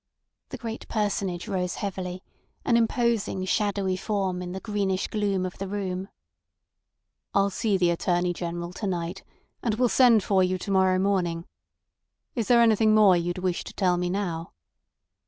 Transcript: The great personage rose heavily, an imposing shadowy form in the greenish gloom of the room. "I'll see the Attorney General to night, and will send for you to morrow morning. Is there anything more you'd wish to tell me now?"